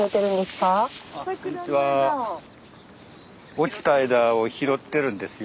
落ちた枝を拾ってるんですよ。